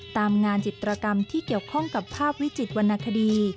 ตามงานจิตรกรรมที่เกี่ยวข้องกับภาพวิจิตวรรณคดี